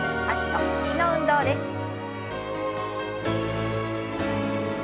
脚と腰の運動です。